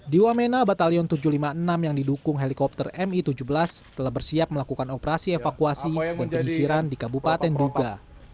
di wamena batalion tujuh ratus lima puluh enam yang didukung helikopter mi tujuh belas telah bersiap melakukan operasi evakuasi dan penyisiran di kabupaten duga